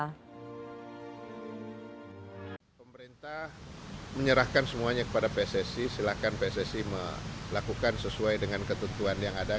pemerintah menyerahkan semuanya kepada pssi silahkan pssi melakukan sesuai dengan ketentuan yang ada